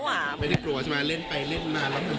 ไม่ได้กลัวใช่ไหมเล่นไปเล่นมารับคำสั่ง